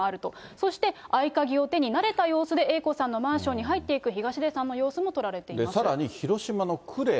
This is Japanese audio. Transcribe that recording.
そして合鍵を手に、慣れた様子でＡ子さんのマンションに入っていく東出さんの様子もさらに広島の呉。